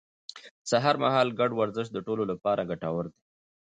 سهار مهال ګډ ورزش د ټولو لپاره ګټور دی